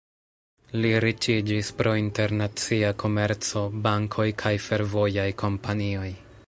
Li riĉiĝis pro internacia komerco, bankoj kaj fervojaj kompanioj.